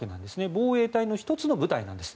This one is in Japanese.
防衛隊の１つの部隊なんです。